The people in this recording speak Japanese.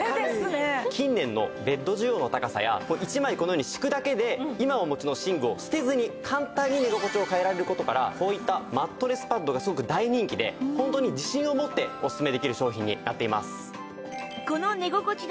近年のベッド需要の高さや１枚このように敷くだけで今お持ちの寝具を捨てずに簡単に寝心地を変えられる事からこういったマットレスパッドがすごく大人気でホントに自信を持ってオススメできる商品になっています。